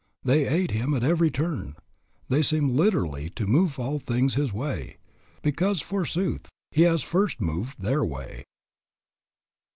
They aid him at every turn; they seem literally to move all things his way, because forsooth, he has first moved their way.